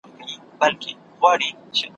په شېطاني وکوري